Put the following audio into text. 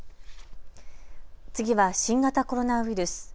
次は新型コロナウイルス。